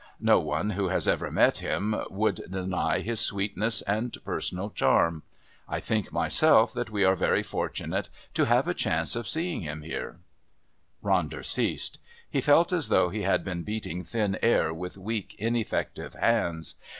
No one who has ever met him would deny his sweetness and personal charm. I think myself that we are very fortunate to have a chance of seeing him here " Ronder ceased. He felt as though he had been beating thin air with weak ineffective hands.